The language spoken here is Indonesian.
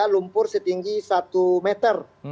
lumpur setinggi satu meter